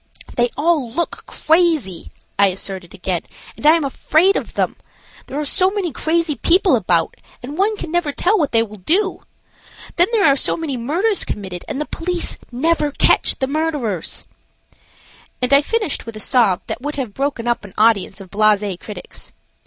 "They all look crazy," I asserted again, "and I am afraid of them. There are so many crazy people about, and one can never tell what they will do. Then there are so many murders committed, and the police never catch the murderers," and I finished with a sob that would have broken up an audience of blase critics.